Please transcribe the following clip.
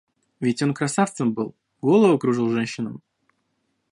Ведь он красавцем был, голову кружил женщинам.